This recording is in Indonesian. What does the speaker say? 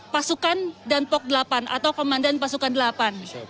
pasukan dan pok delapan atau komandan pasukan delapan